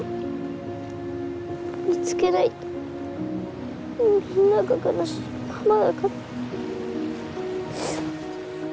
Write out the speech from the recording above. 見つけないとみんなが悲しいままだから。